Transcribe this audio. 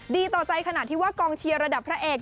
ดีต่อใจขนาดที่ว่ากองเชียร์ระดับพระเอก